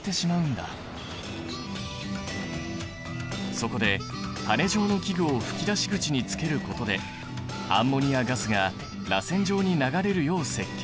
そこで羽根状の器具を噴き出し口につけることでアンモニアガスがらせん状に流れるよう設計。